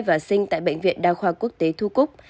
và sinh tại bệnh viện đa khoa quốc tế thu cúc